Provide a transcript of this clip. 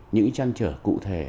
những cái chăn trở cụ thể